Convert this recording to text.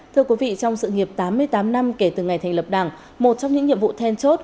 thưa quý vị trong sự nghiệp tám mươi tám năm kể từ ngày thành lập đảng một trong những nhiệm vụ then chốt